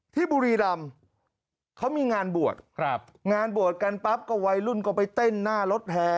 บุรีรำเขามีงานบวชครับงานบวชกันปั๊บก็วัยรุ่นก็ไปเต้นหน้ารถแห่